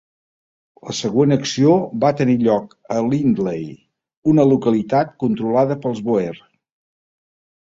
La següent acció va tenir lloc a Lindley, una localitat controlada pels Boer.